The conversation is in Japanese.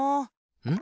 うん？